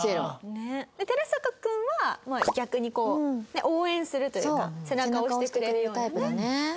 寺坂君は逆にこう応援するというか背中を押してくれるようなねタイプで。